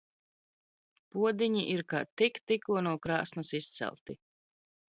Podi?i ir k? tik tikko no kr?sns izcelti.